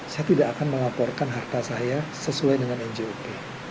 saya tidak akan melaporkan harta saya sesuai dengan njop